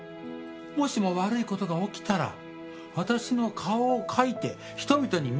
「もしも悪い事が起きたら私の顔を描いて人々に見せなさい」って。